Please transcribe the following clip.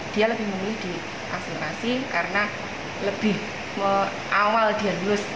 dia lebih mulih di asimilasi karena lebih awal dia lulus